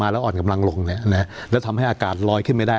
แล้วอ่อนกำลังลงแล้วทำให้อากาศลอยขึ้นไม่ได้